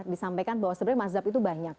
disampaikan bahwa sebenarnya mazhab itu banyak